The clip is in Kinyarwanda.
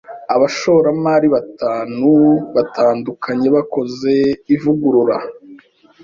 Abashoramari batanu batandukanye bakoze ivugurura.